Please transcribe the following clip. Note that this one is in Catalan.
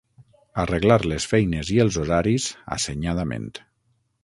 Arreglar les feines i els horaris assenyadament.